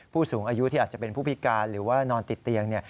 ผู้สูงอายุที่อาจจะเป็นผู้พิการหรือว่านอนติดเตียง